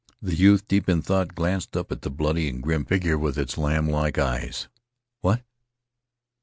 The youth, deep in thought, glanced up at the bloody and grim figure with its lamblike eyes. "What?"